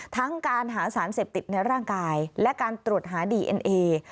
ทั้งการหาสารเสพติดในร่างกายและการตรวจหาดีเอ็นเอ